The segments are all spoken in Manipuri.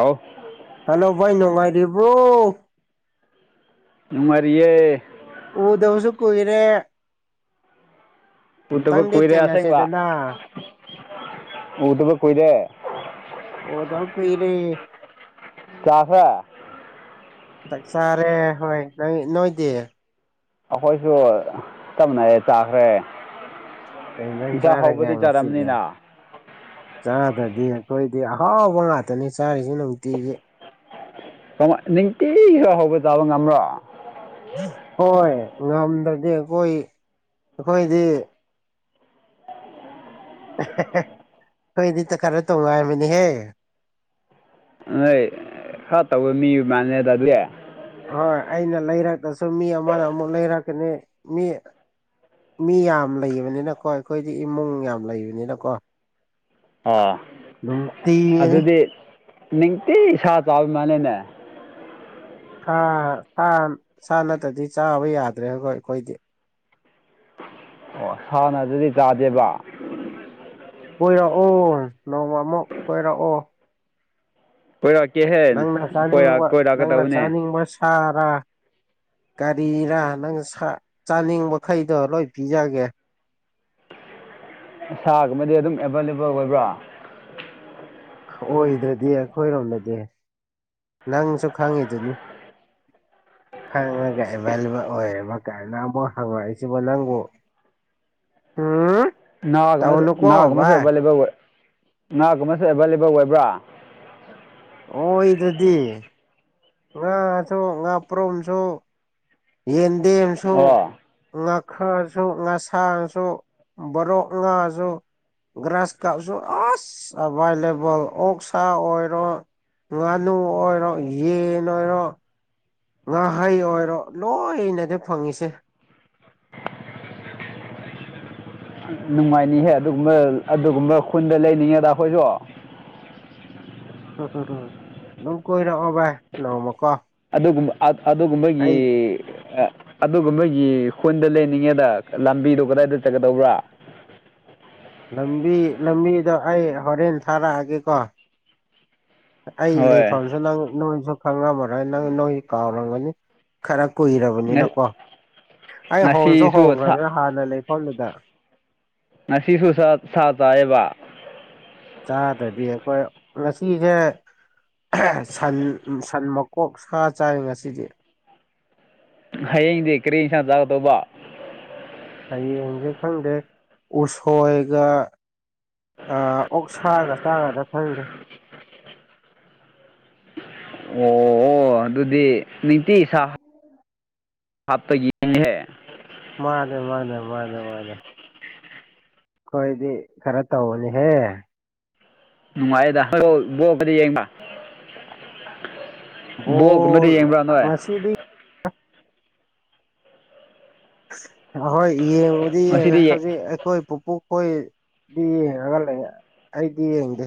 ꯑꯥꯎ ꯍꯜꯂꯣ ꯚꯥꯏ ꯅꯨꯡꯉꯥꯏꯔꯤꯕ꯭ꯔꯣ ꯅꯨꯡꯃꯔꯤꯦ ꯎꯗꯧꯁꯨ ꯀꯏꯔꯦ ꯎ ꯇꯕꯨ ꯀꯨꯏꯔꯦ ꯑꯁꯕ ꯊꯦꯡꯅꯁꯦꯗꯅ ꯎ ꯇꯕꯨ ꯀꯨꯏꯔꯦ ꯑꯣꯗ ꯀꯏꯔꯦ ꯆꯥꯁꯦ ꯆꯥꯛ ꯆꯥꯔꯦ ꯍꯣꯏ ꯅ ꯅꯣꯏꯗꯤ ꯑꯩꯈꯣꯏꯁꯨ ꯇꯞꯅꯔꯦ ꯆꯥꯈ꯭ꯔꯦ ꯀꯩꯅꯇꯝ ꯏꯟꯁꯥꯡ ꯆꯥꯔꯒꯦ ꯍꯥꯎꯕꯗꯤ ꯉꯁꯤꯗꯤ ꯆꯥꯔꯝꯅꯤꯅ ꯆꯥꯗ꯭ꯔꯗꯤ ꯑꯩꯈꯣꯏꯗꯤ ꯑꯍꯥꯎꯕ ꯉꯥꯛꯇꯅꯦ ꯆꯥꯔꯤꯁꯤꯦ ꯅꯨꯡꯇꯤꯒꯤ ꯅꯤꯡꯇ ꯍ ꯇꯥꯔ ꯑꯃ꯭ꯔꯣ ꯍꯣꯏ ꯉꯝꯗ꯭ꯔꯗꯤ ꯑꯩꯈꯣꯏ ꯑꯩꯈꯣꯏꯗꯤ ꯀꯣꯏꯅꯤ ꯇ ꯈꯔ ꯇꯣꯡ ꯑꯃꯤꯅꯤ ꯍꯦ ꯅꯣꯏ ꯈꯔ ꯇꯧꯕ ꯃꯤ ꯃꯥꯅꯦꯗ ꯑꯗꯨ ꯍꯣꯏ ꯑꯩꯅ ꯂꯩꯔꯛꯇ꯭ꯔꯁꯨ ꯃꯤ ꯑꯃꯅ ꯑꯃꯨꯛ ꯂꯩꯔꯛꯀꯅꯤ ꯃꯤ ꯃꯤ ꯌꯥꯝ ꯂꯩꯕꯅꯤꯅꯀꯣ ꯑꯩꯈꯣꯏꯗꯤ ꯏꯃꯨꯡ ꯌꯥꯝ ꯂꯩꯕꯅꯤꯅꯀꯣ ꯑ ꯅꯨꯡꯇꯤꯒꯤꯅꯤ ꯑꯗꯨꯗꯤ ꯅꯤꯡꯇꯤ ꯁꯥ ꯆꯥꯕꯃꯅꯦꯅꯦ ꯁꯥ ꯅꯠꯇ꯭ꯔꯗꯤ ꯆꯥꯕ ꯌꯥꯗ꯭ꯔꯦꯈꯣꯏ ꯑꯩꯈꯣꯏꯗꯤ ꯑꯣ ꯁꯥꯥꯟꯅ ꯑꯗꯨꯗꯤ ꯇꯥꯗꯦꯕ ꯀꯣꯏꯔꯛꯑꯣ ꯅꯣꯡꯃ ꯑꯃꯨꯛ ꯀꯣꯏꯔꯛꯑꯣ ꯀꯣꯏꯔꯛꯀꯦꯍꯦ ꯅꯪꯅ ꯆꯥꯅꯤꯡꯕ ꯅꯪꯅ ꯀꯣꯏꯔꯛꯀꯗꯧꯕꯅꯦ ꯆꯥꯅꯤꯡꯕ ꯁꯥꯔ ꯒꯥꯔꯤꯔꯥ ꯅꯪ ꯆꯥꯅꯤꯡꯕ ꯃꯈꯩꯗꯣ ꯂꯣꯏ ꯄꯤꯖꯒꯦ ꯁꯥꯒꯨꯝꯃꯗꯤ ꯑꯗꯨꯝ ꯑꯦꯚꯏꯂꯦꯕꯜ ꯑꯣꯏꯕ꯭ꯔꯥ ꯑꯣꯏꯗ꯭ꯔꯗꯤ ꯑꯩꯈꯣꯏꯔꯣꯝꯗꯗꯤ ꯅꯪꯁꯨ ꯈꯪꯉꯤꯗꯨꯅꯤ ꯈꯪꯉꯒ ꯑꯦꯚꯥꯏꯂꯦꯕꯜ ꯑꯣꯏꯌꯦꯕ ꯀꯅ ꯑꯃꯨꯛ ꯍꯪꯉꯛꯏꯁꯤꯕ ꯅꯪꯕꯨ ꯍꯥꯥ ꯅꯥꯒꯃꯦ ꯅꯅꯥꯒ ꯃꯁ ꯂꯦ ꯕ ꯉꯥꯒꯨꯝꯕꯁꯨ ꯑꯦꯚꯏꯂꯦꯕꯜ ꯑꯣꯏꯕ꯭ꯔꯥ ꯑꯣꯏꯗ꯭ꯔꯗꯤ ꯉꯥꯁꯨ ꯉꯥ ꯄ꯭ꯔꯣꯝꯁꯨ ꯌꯦꯟ ꯗꯦꯝꯁꯨ ꯑꯣ ꯉꯥꯛ ꯈꯔꯁꯨ ꯉꯁꯥꯡꯁꯨ ꯕꯣꯔꯣꯛ ꯉꯥꯁꯨ ꯒ꯭ꯔꯥꯁ ꯀꯥꯞꯁꯨ ꯑꯁ ꯑꯦꯚꯥꯏꯂꯦꯕꯜ ꯑꯣꯛ ꯁꯥ ꯑꯣꯏꯔꯣ ꯉꯥꯅꯨ ꯑꯣꯏꯔꯣ ꯌꯦꯟ ꯑꯣꯏꯔꯣ ꯉꯥꯍꯩ ꯑꯣꯏꯔꯣ ꯂꯣꯏꯅꯗꯤ ꯐꯪꯉꯁꯦ ꯅꯨꯡꯉꯥꯏꯅꯤꯍꯦ ꯑꯗꯨꯒꯨꯝꯕ ꯑꯗꯨꯒꯨꯝꯕ ꯈꯨꯟꯗ ꯂꯩꯅꯤꯉꯦꯗ ꯑꯩꯈꯣꯏꯁꯨ ꯁ ꯎ ꯂ ꯀꯣꯏꯔ ꯑꯗꯨꯒꯨꯝ ꯑꯗꯨꯒꯨꯝꯕꯒꯤ ꯑꯩ ꯑꯗꯨꯒ ꯃꯣꯏꯒꯤ ꯈꯨꯟꯗ ꯂꯩꯅꯤꯡꯉꯦꯗ ꯂꯝꯕꯤꯗꯣ ꯀꯗꯥꯏꯗ ꯆꯠꯀꯗꯧꯕ꯭ꯔꯥ ꯂꯝꯕꯤ ꯂꯝꯕꯤꯗꯣ ꯑꯩ ꯍꯣꯔꯦꯟ ꯊꯥꯔꯛꯑꯒꯦꯀꯣ ꯑꯩ ꯍꯣꯏ ꯂꯩꯐꯝꯁꯨ ꯅꯪ ꯅꯣꯏꯁꯨ ꯈꯪꯉꯝꯃꯔꯣꯏ ꯅꯪ ꯅꯣꯏ ꯀꯥꯎꯔꯝꯒꯅꯤ ꯈꯔ ꯀꯨꯏꯔꯕꯅꯤꯅꯀꯣ ꯑꯩ ꯍꯣꯡꯁꯨ ꯉꯁꯤꯁꯨ ꯁꯥ ꯍꯣꯡꯈ꯭ꯔꯕꯅꯤꯅ ꯍꯥꯟꯅ ꯂꯩ ꯐꯂꯗ ꯉꯁꯤꯁꯨꯁ ꯁꯥ ꯇꯑꯕ ꯆꯥꯗ꯭ꯔꯗꯤ ꯑꯩꯈꯣꯏ ꯉꯁꯤꯁꯦ ꯁꯟ ꯁꯟ ꯃꯀꯣꯛ ꯁꯥ ꯆꯥꯏ ꯉꯁꯤꯗꯤ ꯍꯌꯦꯡꯗꯤ ꯀꯔꯤ ꯏꯁꯥꯡ ꯆꯥꯒ ꯇꯧꯕ ꯍꯌꯦꯡꯁꯦ ꯈꯪꯗꯦ ꯎꯁꯣꯏꯒ ꯑꯣꯛ ꯁꯥꯥꯒ ꯆꯥꯉꯗ ꯐꯪꯒꯦ ꯑꯣ ꯑꯗꯨꯗꯤ ꯅꯨꯡꯇꯤ ꯁꯥ ꯍꯥꯞꯇ ꯌꯦ ꯍ ꯃꯥꯅꯦ ꯃꯥꯅꯦ ꯃꯥꯅꯦ ꯃꯥꯅꯦ ꯑꯩꯈꯣꯏꯗꯤ ꯈꯔ ꯇꯧꯕꯅꯤꯍꯦ ꯅꯨꯡꯉꯥꯏꯌꯦꯗ ꯍ ꯕꯣꯛꯄꯗꯤ ꯌꯦꯡꯕ [unintelligible] ꯕꯣꯜ ꯀꯨꯝꯗꯗꯤ ꯌꯦꯡꯕ꯭ꯔꯥꯗ ꯉꯁꯤꯗꯤ ꯍꯍꯣꯏ ꯌꯦꯡꯉꯨꯗꯤ ꯌꯦꯡꯉꯦ ꯉꯁꯤꯗꯤ ꯍꯧꯖꯤꯛ ꯑꯩꯈꯣꯏ ꯄꯨꯄꯨ ꯍꯣꯏꯗꯤ ꯌꯦꯡꯉꯒ ꯂꯩ ꯑꯩꯗꯤ ꯌꯦꯡꯗꯦ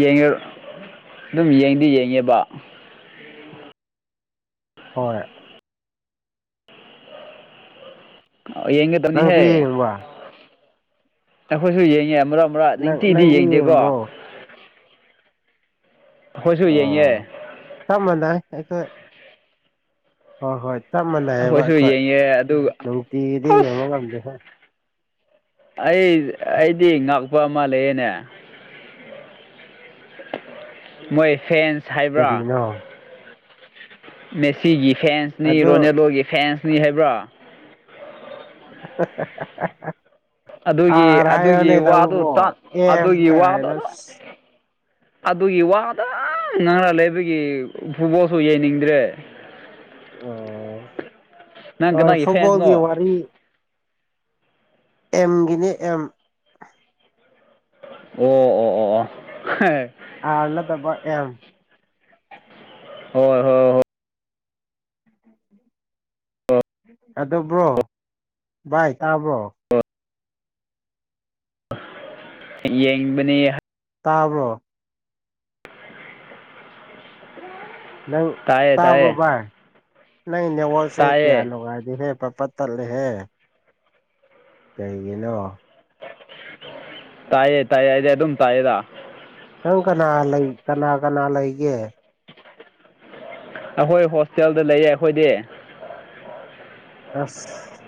ꯌꯦꯡꯉ ꯑꯗꯨꯝ ꯌꯦꯡꯗꯤ ꯌꯦꯡꯉꯦꯕ ꯍꯣꯏ ꯅꯪꯁꯨ ꯌꯦꯡꯒꯗꯕꯅꯤꯍꯦ ꯌꯦꯡꯕ ꯑꯩꯈꯣꯏꯁꯨ ꯌꯦꯡꯉꯦ ꯑꯃꯨꯔꯛ ꯝꯕ꯭ꯔ ꯅꯪ ꯅꯤꯡꯇꯤꯗꯤ ꯅꯪꯗꯤ ꯌꯦꯡꯗꯦꯀꯣ ꯌꯦꯡꯕ꯭ꯔꯣ ꯈꯨꯁꯤ ꯍ ꯌꯥꯏꯦ ꯑꯣ ꯆꯞ ꯃꯥꯟꯅꯩ ꯑꯩꯈꯣꯏ ꯍꯣꯏ ꯍꯣꯏ ꯆꯞ ꯃꯥꯟꯅꯩꯑꯕ ꯑꯩꯈꯣꯏꯁꯨ ꯑꯩꯈꯣꯏ ꯌꯦꯡꯉꯦ ꯑꯗꯨꯒ ꯅꯨꯡꯇꯤꯒꯤꯗꯤ ꯑꯁ ꯌꯦꯡꯕ ꯉꯝꯗꯦꯍ ꯑꯩ ꯑꯩꯗꯤ ꯉꯥꯛꯄ ꯑꯃ ꯂꯩꯌꯦꯦꯅꯦ ꯃꯣꯏ ꯐꯦꯟꯦꯟꯁ ꯁꯔꯤꯅꯣ ꯃꯦꯁꯤꯒꯤ ꯐꯦꯟꯁꯅꯤ ꯑꯗꯨ ꯔꯣꯅꯦꯜꯗꯣꯒꯤ ꯐꯦꯟꯁꯅꯤ ꯍꯥꯏꯕ꯭ꯔꯥ [unintelligible] ꯑꯗꯨꯒꯤ ꯑꯔꯥꯏꯅꯦ ꯑꯗꯨꯒꯤ ꯋꯥꯗꯨ ꯅꯧꯃꯣ ꯑꯦꯐ ꯑꯗꯨꯒꯤ ꯋꯥꯗꯣ ꯀꯥꯏꯔꯁ ꯑꯗꯨꯒꯤ ꯋꯥꯗ ꯉꯥꯡꯔ ꯂꯩꯕꯒꯤ ꯐꯨꯠꯕꯣꯜꯁꯨ ꯌꯥꯡꯅꯤꯡꯗ꯭ꯔꯦ ꯑꯣ ꯅꯪꯒ ꯍꯣꯏ ꯅꯒꯤ ꯐꯦꯟꯁꯅꯣ ꯐꯨꯠꯕꯣꯜꯒꯤ ꯑꯦꯝꯒꯤꯅꯦ ꯑꯦꯝ ꯑꯣ ꯑꯣ ꯑꯣ ꯑꯣ ꯑꯥꯔꯂꯗꯕ ꯑ ꯍꯣꯏ ꯍꯣꯏ ꯍꯣꯏ ꯑꯗꯨꯕ꯭ꯔꯣ ꯚꯥꯏ ꯇꯥꯕ꯭ꯔꯣ ꯑꯣ ꯌꯦꯡꯕꯅꯤ ꯇꯥꯕ꯭ꯔꯣ ꯅꯪ ꯇꯥꯏꯌꯦ ꯇꯥꯕ꯭ꯔꯣ ꯇꯥꯏꯌꯦ ꯚꯏ ꯅꯪ ꯅꯦꯠꯋꯔꯛꯁꯦ ꯀꯌꯥ ꯇꯥꯏꯌꯦ ꯅꯨꯡꯉꯥꯏꯗꯦꯍꯦ ꯄ ꯇ ꯂꯩꯦꯍꯦ ꯀꯩꯒꯤꯅ ꯇꯥꯏꯌꯦꯦ ꯇꯥꯏꯌꯦꯗꯤ ꯑꯗꯨꯝ ꯇꯥꯏꯌꯦꯗ ꯇꯧ ꯀꯅꯥ ꯂꯩ ꯀꯅꯥ ꯀꯅꯥ ꯂꯩꯒꯦ ꯑꯩꯈꯣꯏ ꯍꯣꯁꯇꯦꯜꯗ ꯂꯩꯌꯦ ꯑꯩꯈꯣꯏꯗꯤ ꯑꯁ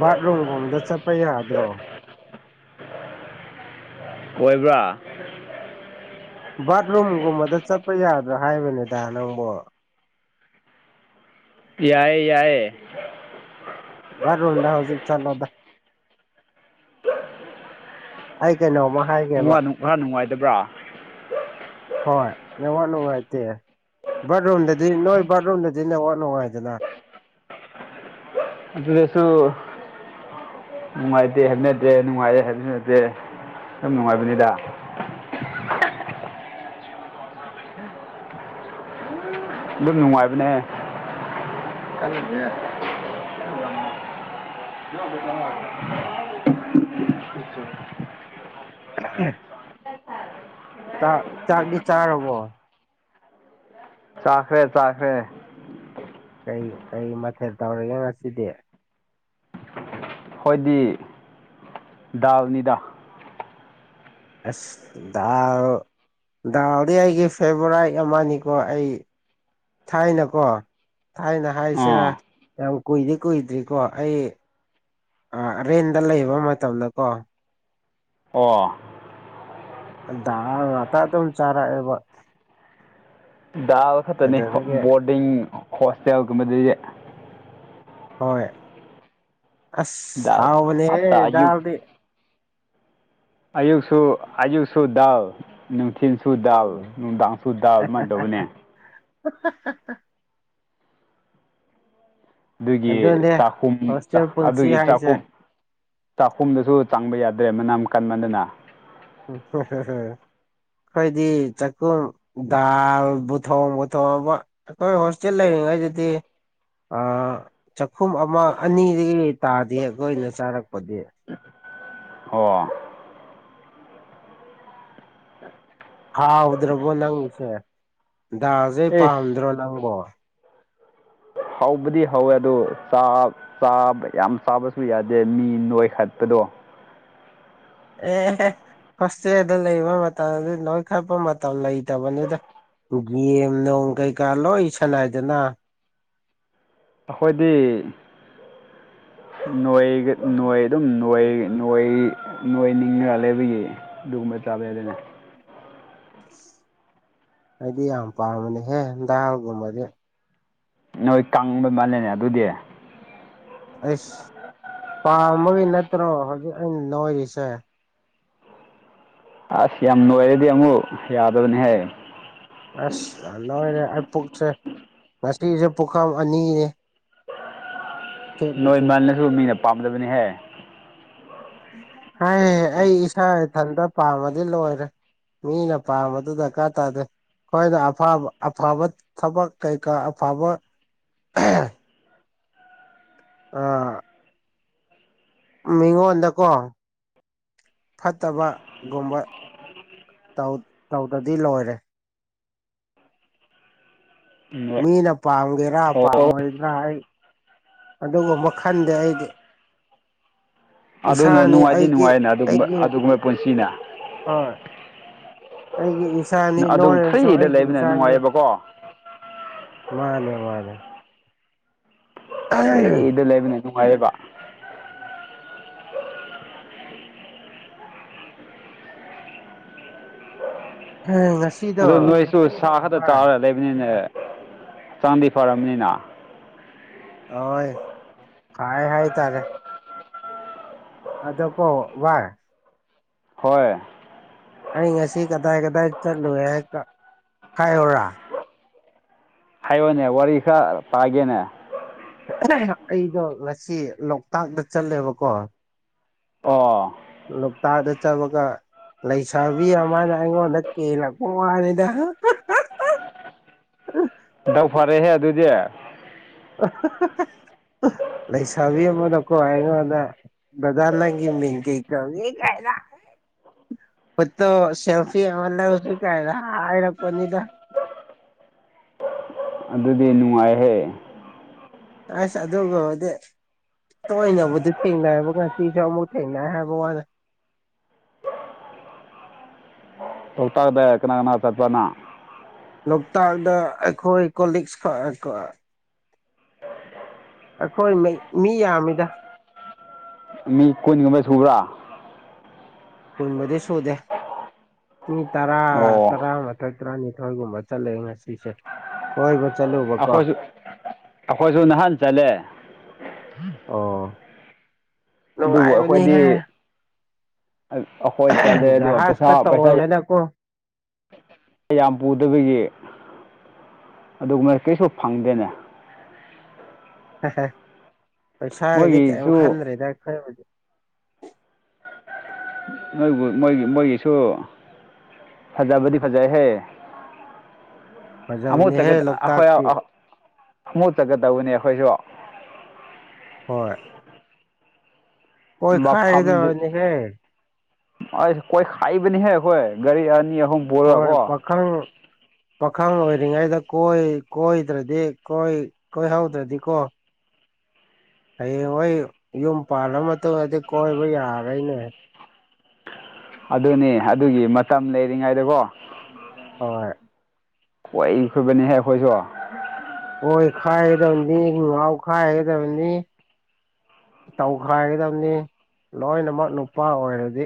ꯕꯥꯠꯔꯨꯝꯒꯨꯝꯗ ꯆꯠꯄ ꯌꯥꯗ꯭ꯔꯣ ꯀꯣꯏꯕ꯭ꯔꯥ ꯕꯥꯠꯔꯨꯝꯒꯨꯝꯕꯗ ꯆꯠꯄ ꯌꯥꯗ꯭ꯔꯥ ꯍꯥꯏꯕꯅꯤꯗ ꯅꯪꯕꯨ ꯌꯥꯏ ꯌꯥꯏꯏ ꯔꯣꯗ ꯍꯧꯖꯤꯛ ꯆꯠꯂꯗ ꯑ ꯀꯥꯏꯅ ꯅꯨꯡ ꯈꯔ ꯅꯨꯡꯉꯥꯏꯗꯕ꯭ꯔꯥ ꯍꯣꯏ ꯂ ꯋꯥꯅ ꯍꯥꯏꯥꯏ ꯇ ꯕꯥꯠꯔꯨꯝꯗꯗꯤ ꯅꯣꯏ ꯕꯥꯠꯔꯨꯝꯗꯗꯤ ꯅꯪ ꯋꯥ ꯅꯨꯡꯉꯥꯏꯗꯅ ꯑꯗꯨ ꯑꯗꯨꯗꯁꯨꯣ ꯅꯨꯡꯉꯥꯏꯇꯦ ꯍꯥꯏꯦꯅꯗꯦ ꯅꯨꯡꯉꯥꯏꯔꯦ ꯍꯥꯏꯦꯟꯅꯗꯦ ꯌꯥꯝ ꯅꯨꯡꯉꯥꯏꯕꯅꯤꯗ ꯑ ꯑꯗꯨꯝ ꯅꯨꯡꯉꯥꯏꯕꯅꯦ [unintelligible] ꯆꯥꯛ ꯆꯥꯛꯗꯤ ꯆꯥꯔꯕꯣ ꯆꯈ꯭ꯔꯦ ꯆꯈꯔꯦ ꯀꯩ ꯀꯩ ꯃꯊꯦꯜ ꯇꯧꯔꯒꯦ ꯉꯁꯤꯗꯤ ꯍꯣꯏꯗꯤ ꯗꯥꯜꯅꯤꯗꯥ ꯑꯁꯗ ꯗꯥꯎꯗꯤ ꯑꯩꯒꯤ ꯐꯦꯚꯣꯔꯥꯏꯠ ꯑꯃꯅꯤꯀꯣ ꯑꯩ ꯊꯥꯏꯅꯀꯣ ꯊꯥꯏꯅ ꯍꯥꯏꯁꯤꯦꯔ ꯑꯥ ꯌꯥꯝ ꯀꯨꯏꯗꯤꯦ ꯀꯨꯏꯗ꯭ꯔꯤꯀꯣ ꯑꯩ ꯔꯔꯦꯟꯗ ꯂꯩꯕ ꯃꯇꯝꯗꯀꯣ ꯑ ꯑꯇꯥꯗꯝ ꯆꯥꯔꯥꯕ ꯗꯥꯜ ꯈꯛꯇꯅꯤ ꯕꯣꯔꯗꯤꯡ ꯍꯣꯁꯇꯦꯜꯒꯨꯝꯕꯗ ꯍꯣꯏ ꯑꯁ ꯗꯥꯜ ꯉꯥꯛꯇ ꯑꯌꯨꯛ ꯍꯥꯎꯕꯅꯦꯍꯗꯗꯤ ꯑꯌꯨꯛꯁꯨ ꯑꯌꯨꯛꯁꯨꯗꯎ ꯊꯤꯟꯁꯨ ꯗꯥꯜ ꯎꯝ ꯅꯨꯡꯗꯥꯡꯁꯨ ꯗꯥꯜ ꯑꯗꯨꯃꯥꯏꯅ ꯇꯧꯕꯅꯦ ꯎ ꯑꯗꯨꯒꯤ ꯑꯗꯨꯅꯦ ꯆꯥꯛꯈꯨꯝ ꯍꯣꯁꯇꯦꯜ ꯄꯨꯟꯁꯤ ꯑꯗꯨꯒꯤ ꯆꯥꯛ ꯍꯥꯏꯁꯦ ꯆꯥꯛꯈꯨꯝꯗꯁꯨ ꯆꯥꯡꯕ ꯌꯥꯗꯦ ꯑꯗꯨꯗꯦ ꯃꯅꯝ ꯀꯟꯕꯗꯅ ꯎ ꯍ ꯍ ꯍ ꯑꯩꯈꯣꯏꯗꯤ ꯆꯈꯨꯝ ꯗꯥꯜ ꯕꯨꯊꯣꯡ ꯕꯨꯊꯣꯡ ꯑꯃ ꯑꯩꯈꯣꯏ ꯍꯣꯁꯇꯦꯜ ꯂꯩ ꯅꯨꯡꯉꯥꯏ ꯑꯗꯨꯗꯤ ꯆꯥꯛꯈꯨꯝ ꯑꯃ ꯑꯅꯤꯗꯒꯤ ꯇꯥꯗꯦ ꯑꯩꯈꯣꯏꯅ ꯆꯥꯔꯛꯄꯗꯤ ꯑꯣ ꯍꯥꯎꯗ꯭ꯔꯕꯣ ꯅꯪꯁꯦ ꯗꯥꯁꯩ ꯏꯁ ꯄꯥꯝꯗ꯭ꯔꯣ ꯅꯪꯕꯣ ꯍꯧꯕꯗꯤ ꯍꯧꯋꯦ ꯑꯗꯣ ꯆꯥꯕ ꯌꯥꯝ ꯆꯥꯕꯁꯨ ꯌꯥꯗꯦ ꯃꯤ ꯅꯣꯏꯈꯠꯄꯗꯣ ꯑꯣ ꯑꯦ ꯍꯣꯁꯇꯦꯗ ꯂꯩꯕ ꯃꯇꯝꯗꯤ ꯅꯣꯏ ꯈꯠꯄ ꯃꯇꯝ ꯂꯩꯇꯕꯅꯤꯗ ꯒꯦꯝ ꯅꯨꯡ ꯀꯩꯀꯥ ꯂꯣꯏ ꯁꯥꯟꯅꯥꯏꯗꯅ ꯑꯩꯈꯣꯏꯗꯤ ꯅꯣꯏ ꯑꯗꯨꯝꯣꯏꯣꯏ ꯅꯣꯏ ꯅꯤꯡꯉ ꯂꯩꯕꯒꯤ ꯑꯗꯨꯒꯨꯝꯕ ꯆꯥꯕꯦꯗꯅꯦ ꯑꯩꯗꯤ ꯌꯥꯝ ꯄꯥꯝꯕꯅꯦꯍꯦꯦꯟꯗꯜꯒꯨꯝꯕꯗꯤ ꯅꯣꯏ ꯀꯪꯕꯩ ꯃꯥꯜꯂꯦꯅꯦ ꯑꯗꯨꯗꯤ ꯑꯁ ꯄꯥꯝꯕꯒꯤ ꯅꯠꯇ꯭ꯔꯣ ꯍꯧꯖꯤꯛ ꯑꯩꯅ ꯅꯣꯏꯔꯤꯁꯦ ꯑꯁ ꯌꯥꯝ ꯅꯨꯡꯉꯥꯏꯔꯗꯤ ꯑꯃꯨꯛ ꯌꯥꯗꯕꯅꯤꯍ ꯑꯁ ꯑꯅ ꯃꯔ ꯑꯩ ꯄꯨꯛꯁꯦ ꯉꯁꯤꯁꯦ ꯄꯨꯈꯝ ꯑꯅꯤꯅꯤ ꯅꯣꯏꯃꯜꯂꯁꯨ ꯃꯤꯅ ꯄꯥꯝꯗꯕꯅꯤꯍꯦ ꯍꯥꯏ ꯑꯩ ꯏꯁꯥ ꯏꯊꯟꯇ ꯄꯥꯝꯃꯗꯤ ꯂꯣꯏꯔꯦ ꯃꯤꯂ ꯄ ꯃꯗꯨꯗ ꯀꯥ ꯇꯗ ꯍꯈꯣꯏꯅ ꯑꯐꯕ ꯑꯐꯕ ꯊꯕꯛ ꯀꯩꯀꯥ ꯑꯐꯕ [unintelligible] ꯑ ꯃꯤꯉꯣꯟꯗꯀꯣ ꯐꯠꯇꯕꯒꯨꯝꯕ ꯇꯧꯗꯗꯤ ꯂꯣꯏꯔꯦ ꯅꯣꯏ ꯃꯤꯅ ꯄꯥꯝꯒꯦꯔꯥ ꯑꯣ ꯄꯥꯝꯃꯣꯏꯗ꯭ꯔꯥ ꯑꯩ ꯑꯗꯨꯒ ꯃꯈꯟꯗꯤ ꯑꯩꯗꯤ ꯑꯗꯨꯅ ꯏꯁꯥꯅꯤ ꯅꯨꯡꯉꯥꯏꯗꯤ ꯑꯩꯒꯤ ꯅꯨꯡꯉꯥꯏꯅ ꯑꯗꯨꯒꯨꯝꯕ ꯑꯩꯒꯤ ꯑꯗꯨꯒꯨꯝꯕ ꯄꯨꯟꯁꯤꯅ ꯑ ꯑꯩꯒꯤ ꯏꯁꯥꯅꯤ ꯑꯗꯨꯝ ꯅꯣꯔꯅꯦꯁꯨ ꯐ꯭ꯔꯤꯗ ꯑꯩꯒꯤ ꯂꯩꯕꯅ ꯏꯁꯥꯅꯤ ꯅꯨꯡꯉꯥꯏꯌꯦꯕꯀꯣ ꯃꯥꯅꯦꯦ ꯃꯥꯗ ꯑꯩꯗ ꯂꯩꯕꯅꯦ ꯅꯨꯡꯉꯥꯏꯕ ꯉꯁꯤꯗꯣ ꯑꯗꯨ ꯅꯣꯏꯁꯨ ꯁꯥ ꯈꯛꯇ ꯚꯥꯏ ꯆꯥꯔ ꯂꯩꯕꯅꯤꯅꯦ ꯍꯛꯆꯥꯡꯗꯤ ꯐꯔꯕꯅꯤꯅ ꯍꯣꯏ ꯍꯥꯏ ꯍꯥꯏꯥꯏ ꯇꯥꯔꯦ ꯑꯗꯣ ꯀꯣ ꯋꯥꯏ ꯍꯣꯏ ꯑꯩ ꯉꯁꯤ ꯀꯗꯥꯏ ꯀꯗꯥꯏ ꯆꯠꯂꯨꯦ ꯍꯥꯏ ꯈꯥꯏꯌꯔꯥ ꯍꯥꯏꯌꯣꯅꯦ ꯋꯥꯔꯤ ꯈꯔ ꯄꯥꯒꯦꯅꯦ ꯑꯩꯗꯣ ꯉꯁꯤ ꯂꯣꯛꯇꯥꯛꯇ ꯆꯠꯂꯦꯕꯀꯣ ꯑꯣ ꯂꯣꯛꯇꯥꯛꯗ ꯆꯠꯕꯒ ꯂꯩꯁꯥꯕꯤ ꯑꯃꯅ ꯑꯩꯉꯣꯟꯗ ꯀꯦꯜꯂꯛꯕ ꯍꯥꯏꯅꯤꯗ ꯗꯥ ꯐꯔꯦꯍꯦ ꯑꯗꯨꯗꯤ ꯂꯩꯁꯥꯕꯤ ꯑꯃꯅꯀꯣ ꯑꯩꯉꯣꯟꯗ ꯗꯥꯗ ꯅꯪ ꯒꯤ ꯃꯤꯡ ꯀꯩ ꯀꯧꯏ ꯀꯥꯏꯅ [inaudible] ꯑꯗꯨꯗꯤ ꯅꯨꯡꯉꯥꯏꯍꯦ ꯑꯁ ꯑ ꯑꯗꯨꯗꯦ ꯇꯣꯏꯅ ꯕꯨꯗꯤꯊꯦꯡꯕ ꯉꯁꯤꯁꯨꯃꯨꯛ ꯊꯦꯡꯅ ꯍꯥꯏꯕ ꯋꯥꯅꯤ [inaudible] ꯅꯣꯡ ꯇꯗꯦ ꯀꯅꯥ ꯀꯅꯥ ꯆꯠꯄꯅꯥ ꯂꯣꯛꯇꯥꯛꯗ ꯑꯩꯈꯣꯏ ꯀꯣꯂꯤꯛꯁ ꯑꯩꯈꯣꯏ ꯃꯤ ꯌꯥꯝꯃꯤꯗ ꯃꯤ ꯀꯨꯟ ꯒꯨꯝꯕꯁꯨꯕ꯭ꯔꯥ ꯀꯨꯜ ꯃꯔꯤꯁꯨꯗꯦ ꯃꯤ ꯇꯔꯥ ꯇꯔꯥ ꯑꯣ ꯇꯔꯥꯃꯥꯊꯣꯏ ꯇꯔꯥꯅꯤꯊꯣꯏꯒꯨꯝꯕ ꯆꯠꯂꯦ ꯉꯁꯤꯁꯦ ꯀꯣꯏꯕ ꯆꯠꯂꯨꯕꯀꯣ ꯑꯩꯈꯣꯏꯁꯨ ꯑꯩꯈꯣꯏꯁꯨ ꯅꯍꯥꯟ ꯆꯜꯂꯦ ꯑꯣ ꯑꯗꯨꯕꯨ ꯅꯨꯡꯉꯥꯏꯕꯅꯤꯍꯦ ꯑꯩꯈꯣꯏꯗꯤ ꯑꯩꯈꯣꯏ ꯆꯠꯂꯦ ꯑꯗꯨꯒ ꯖꯍꯥꯖ ꯄꯩꯁꯥ ꯀꯥ ꯄꯩꯁꯥ ꯇꯣꯡꯗꯅꯀꯣ ꯌꯥꯝ ꯄꯨꯗꯕꯒꯤ ꯑꯗꯨꯒꯨꯝꯕ ꯀꯩꯁꯨ ꯐꯪꯗꯦꯅꯦ ꯄꯩꯁꯥꯒꯗꯤ ꯃꯣꯏꯒꯤꯁꯨ ꯀꯩꯝ ꯈꯟꯗ꯭ꯔꯦꯗ ꯑꯩꯈꯣꯏ ꯕꯨꯗꯤ ꯃꯣꯏꯕꯨ ꯃꯣꯏꯒꯤ ꯃꯣꯏꯒꯤꯁꯨ ꯐꯖꯕꯗꯤ ꯐꯖꯩꯍꯦ [inaudible] ꯐꯖꯕꯅꯦꯍꯦ ꯂꯣꯛꯇꯥꯛꯇꯤ ꯈꯣꯡꯃꯣꯠꯆꯠꯀꯗꯧꯕꯅꯦ ꯑꯩꯈꯣꯏꯁꯨ ꯍꯣꯏ ꯀꯣꯏ ꯈꯥꯏꯗꯅꯤ ꯍꯦ ꯑꯀꯣꯏ ꯈꯥꯏꯕꯅꯤ ꯍꯦ ꯑꯩꯈꯣꯏ ꯔꯤꯅꯤ ꯍꯣꯏ ꯄꯥꯈꯪ ꯄꯥꯈꯪ ꯑꯣꯏꯔꯤꯉꯩꯗ ꯀꯣꯏꯗ꯭ꯔꯗꯤ ꯀꯣꯏꯍꯧꯗ꯭ꯔꯗꯤꯀꯣ ꯍꯌꯦꯡ ꯍꯣꯏ ꯌꯨꯝ ꯄꯥꯜꯂ ꯃꯇꯨꯡꯗꯗꯤ ꯀꯣꯏꯕ ꯌꯥꯔꯔꯣꯏꯅꯦ ꯑꯗꯨꯅꯦ ꯑꯗꯨꯒꯤ ꯃꯇꯝ ꯂꯩꯔꯤꯉꯩꯗꯀꯣ ꯍꯣꯏ ꯀꯣꯏꯈꯣꯏꯕꯅꯤꯍ ꯑꯩꯈꯣꯏꯁꯨ ꯍꯣꯏ ꯈꯥꯏꯒꯗꯕꯅꯤ ꯉꯥꯎꯈꯥꯏꯒꯗꯕꯅꯤ ꯇꯧꯈꯥꯏꯒꯗꯕꯅꯤ ꯂꯣꯏꯅꯃꯛ ꯅꯨꯄꯥ ꯑꯣꯏꯔꯗꯤ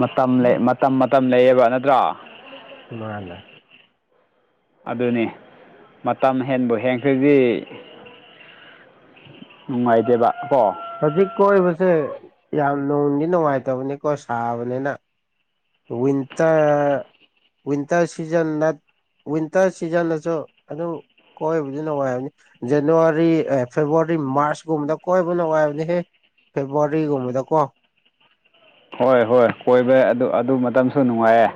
ꯃꯇꯝ ꯂꯩ ꯃꯇꯝ ꯃꯇꯝ ꯂꯩꯌꯦꯕ ꯅꯠꯇ꯭ꯔꯥ ꯃꯥꯅꯦ ꯑꯗꯨꯅꯤ ꯃꯇꯝ ꯍꯦꯟꯕꯨ ꯍꯦꯟꯈ꯭ꯔꯗꯤ ꯅꯨꯡꯉꯥꯏꯇꯦꯕ ꯑꯣ ꯍꯧꯖꯤꯛ ꯀꯣꯏꯔꯤꯕꯁꯦ ꯌꯥꯝ ꯅꯣꯡꯒꯤ ꯅꯨꯡꯉꯥꯏꯇꯕꯅꯤꯀꯣ ꯁꯥꯕꯅꯤꯅ ꯋꯤꯟꯇꯔ ꯋꯤꯟꯇꯔ ꯁꯤꯖꯟ ꯅꯠꯇ ꯋꯤꯟꯇꯔ ꯁꯤꯖꯟꯗꯁꯨ ꯑꯗꯨꯝ ꯀꯣꯏꯕꯗꯤ ꯅꯨꯡꯉꯥꯏ ꯍꯥꯏꯕꯅꯤ ꯖꯅꯋꯥꯔꯤ ꯐꯦꯕꯋꯥꯔꯤ ꯃꯥꯔꯁꯀꯨꯝꯕꯗ ꯀꯣꯏꯕ ꯅꯨꯡꯉꯥꯏꯕꯅꯤꯍꯦ ꯐꯦꯕ꯭ꯔꯋꯥꯔꯤꯒꯨꯝꯕꯗ ꯀꯣ ꯍꯣꯏ ꯍꯣꯏ ꯀꯣꯏꯕꯩ ꯑꯗꯨ ꯑꯗꯨ ꯃꯇꯝꯁꯨ ꯅꯨꯡꯉꯥꯏꯌꯦꯦ